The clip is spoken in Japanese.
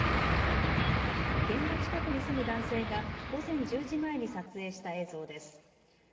現場近くに住む男性が午前１０時前に撮影した映像です。